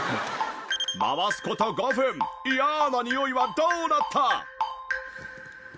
回す事５分嫌なにおいはどうなった？